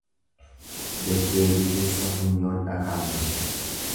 Deddeebii keessa funyoon dhakaa mura.